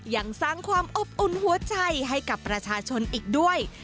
ยังสร้างความอบอุ่นหัวใจให้กับประชาชนอีกด้วย